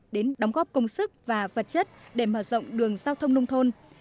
đến đóng góp công sức và vật chất để mở rộng đường giao thông nông thôn